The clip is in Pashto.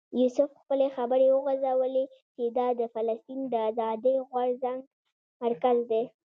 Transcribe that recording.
یوسف خپلې خبرې وغځولې چې دا د فلسطین د آزادۍ غورځنګ مرکز دی.